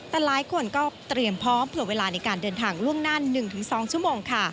แต่หลายคนก็เตรียมพร้อมเผื่อเวลาในการเดินทางล่วงหน้า๑๒ชั่วโมงค่ะ